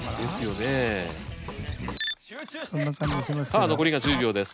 さあ残りが１０秒です。